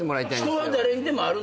人は誰にでもあるのよ